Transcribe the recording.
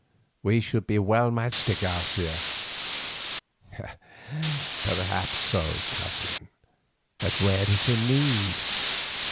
We should be well matched, de Garcia." "Perhaps so, Cousin, but where is the need?